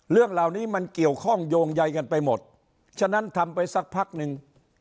เรื่องเหล่านี้มันเกี่ยวข้องโยงใยกันไปหมดฉะนั้นทำไปสักพักนึง